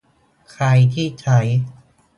ใครที่ใช้